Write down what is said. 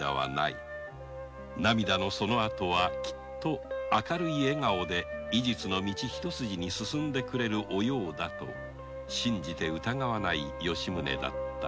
きっと涙のそのあとは明るい笑顔で医術の道一筋に進んでくれるお葉だと信じて疑わない吉宗だった